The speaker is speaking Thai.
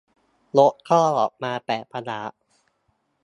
รสก็ออกมาแปลกประหลาด